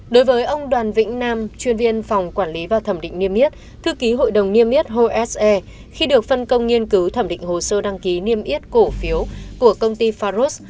đối với ông đoàn vĩnh nam chuyên viên phòng quản lý và thẩm định niêm yết thư ký hội đồng niêm yết hose khi được phân công nghiên cứu thẩm định hồ sơ đăng ký niêm yết cổ phiếu của công ty faros